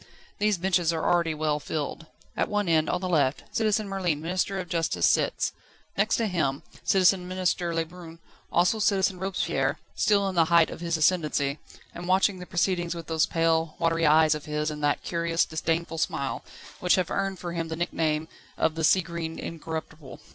These benches are already well filled. At one end, on the left, Citizen Merlin, Minister of Justice, sits; next to him Citizen Minister Lebrun; also Citizen Robespierre, still in the height of his ascendancy, and watching the proceedings with those pale, watery eyes of his and that curious, disdainful smile, which have earned for him the nickname of "the sea green incorruptible."